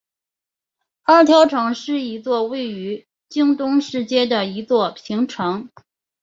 二条城是一座位于京都市街的一座平城。